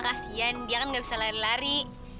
kasian dia kan nggak bisa lari lari